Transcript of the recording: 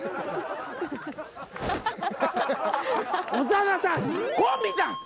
長田さん。